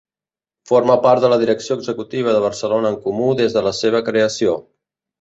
Forma part de la direcció executiva de Barcelona en Comú des de la seva creació.